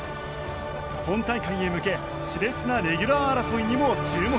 本大会へ向け熾烈なレギュラー争いにも注目！